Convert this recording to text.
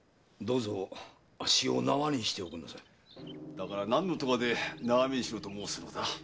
だから何の咎で縄目にしろと申すのだ。